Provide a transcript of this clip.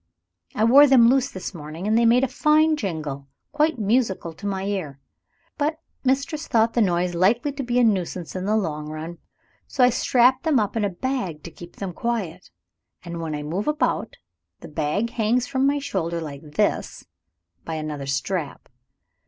"I wore them loose this morning: and they made a fine jingle. Quite musical to my ear. But Mistress thought the noise likely to be a nuisance in the long run. So I strapped them up in a bag to keep them quiet. And when I move about, the bag hangs from my shoulder, like this, by another strap.